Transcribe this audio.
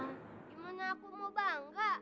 gimana aku mau bangga